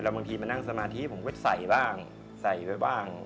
วันถึงมานั่งสมาธิผมก็จะใส่บ้าง